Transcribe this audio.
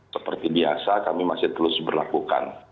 seperti biasa kami masih terus berlakukan